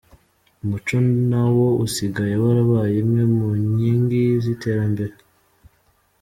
Umuco nawo usigaye warabaye imwe mu nkingi z’iterambere.